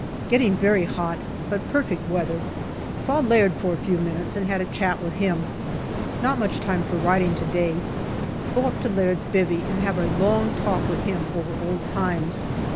Getting very hot, but perfect weather. Saw Laird for a few minutes and had a chat with him. Not much time for writing to day. Go up to Laird's " bivvy " and have a long talk with him over old times.